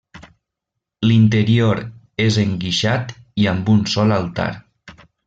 L'interior és enguixat i amb un sol altar.